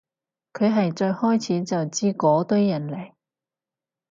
佢係最開始就知嗰堆人嚟